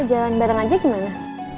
jalan bareng aja gimana